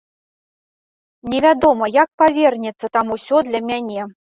Невядома, як павернецца там усё для мяне.